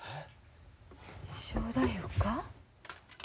正太夫か？